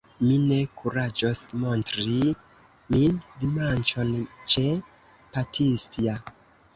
mi ne kuraĝos montri min, dimanĉon, ĉe Patisja!